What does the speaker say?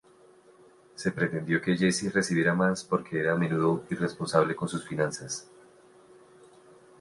Se pretendió que Jessie recibiera más porque era a menudo irresponsable con sus finanzas.